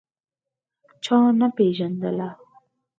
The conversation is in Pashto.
چا نه پېژندله.